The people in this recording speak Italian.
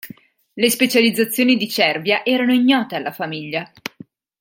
Le specializzazioni di Cervia erano ignote alla famiglia.